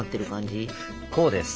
こうです。